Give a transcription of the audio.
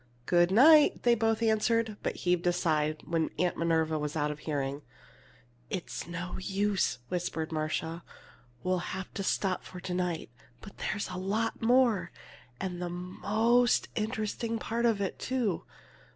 "Good night!" they both answered, but heaved a sigh when Aunt Minerva was out of hearing. "It's no use!" whispered Marcia. "We'll have to stop for to night. But there's lots more, and the most interesting part of it, too.